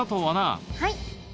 はい。